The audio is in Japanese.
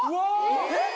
えっ！